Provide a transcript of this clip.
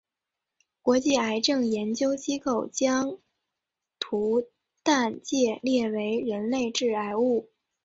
国际癌症研究机构将萘氮芥列为人类致癌物。